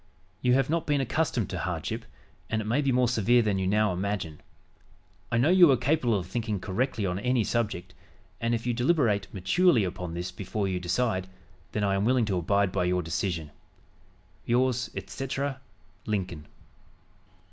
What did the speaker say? You have not been accustomed to hardship, and it may be more severe than you now imagine. I know you are capable of thinking correctly on any subject, and if you deliberate maturely upon this before you decide, then I am willing to abide by your decision. "Yours, etc., "LINCOLN."